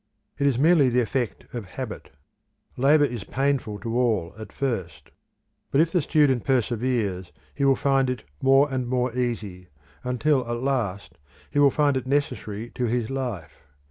It is merely the effect of habit: labour is painful to all at first; but if the student perseveres he will find it more and more easy, until at last he will find it necessary, to his life.